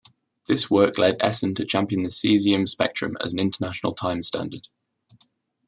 This work led Essen to champion the caesium spectrum as an international time standard.